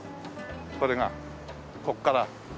これがここから。